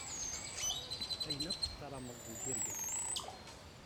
Ayen akk tessarameḍ deg tirga.